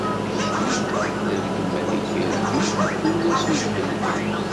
Mmekti-d d rregmat i k-ireggem mkul ass ujehli.